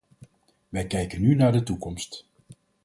Wij kijken nu naar de toekomst.